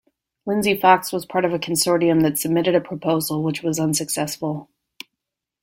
Lindsay Fox was part of a consortium that submitted a proposal which was unsuccessful.